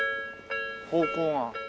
方向が。